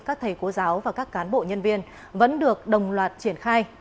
các thầy cô giáo và các cán bộ nhân viên vẫn được đồng loạt triển khai